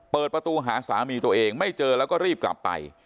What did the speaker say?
เปิดประตูหาสามีตัวเองไม่เจอแล้วก็รีบกลับไป